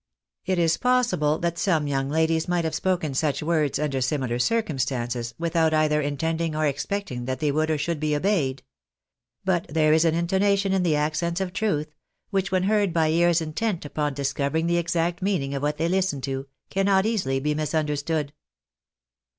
It is possible that some young ladies might have spoken such words under similar circumstances, without either intending or expecting that they would or should be obeyed. But there is an. intonation in the accents of truth, which when heard by ears in tent upon discovering the exact meaning of what they listen to, cannot easily be misunderstood.